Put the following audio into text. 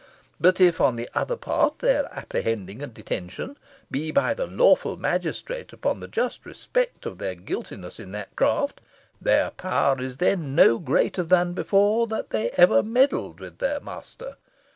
But if, on the other part, their apprehending and detention be by the lawful magistrate upon the just respect of their guiltiness in that craft, their power is then no greater than before that ever they meddled with their master.